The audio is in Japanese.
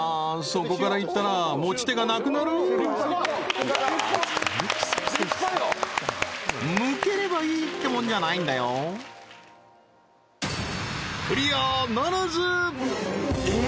そこからいったら持ち手がなくなるむければいいってもんじゃないんだよええー？